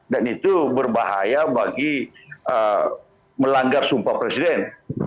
dan itu berbahaya bagi melanggar sumpah presiden